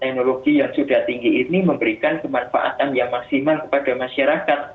teknologi yang sudah tinggi ini memberikan kemanfaatan yang maksimal kepada masyarakat